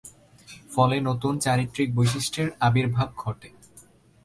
ফলে নতুন চারিত্রিক বৈশিষ্ট্যের আবির্ভাব ঘটে।